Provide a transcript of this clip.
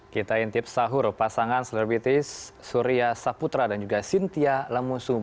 kita intip sahur pasangan selebritis surya saputra dan juga cynthia lamusum